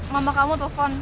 mama kamu telepon